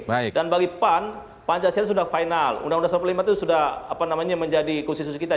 dan bagi pan pancasila sudah final undang undang lima belas itu sudah apa namanya menjadi konsensus kita